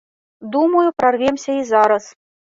Думаю, прарвемся і зараз.